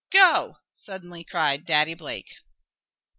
"Go!" suddenly cried Daddy Blake.